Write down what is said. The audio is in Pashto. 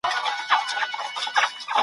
که هرڅو صاحب د علم او کمال یې